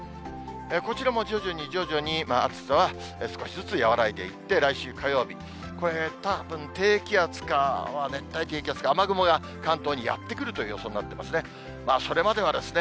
こちらも徐々に徐々に、暑さは少しずつ和らいでいって、来週火曜日、これたぶん、低気圧か熱帯低気圧か、雨雲が関東にやって来るという予想になってますね。